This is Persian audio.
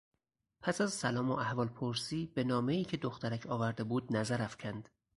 پس از سلام و احوالپرسیبه نامهای که دخترک آورده بود نظر افکند.